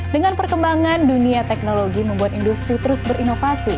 dengan perkembangan dunia teknologi membuat industri terus berinovasi